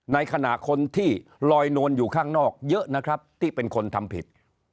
ในขณะคนที่ลอยนวลอยู่ข้างนอกเยอะนะครับที่เป็นคนทำผิด